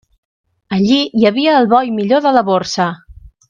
Allí hi havia el bo i millor de la Borsa.